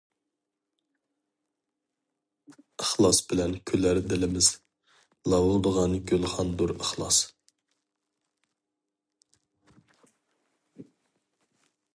ئىخلاس بىلەن كۈلەر دىلىمىز، لاۋۇلدىغان گۈلخاندۇر ئىخلاس.